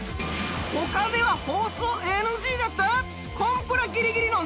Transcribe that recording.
他では放送ＮＧだった？